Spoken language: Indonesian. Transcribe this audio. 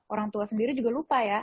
orang tua sendiri juga lupa ya